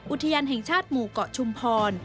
อุทยานแห่งชาติหมู่เกาะชุมพร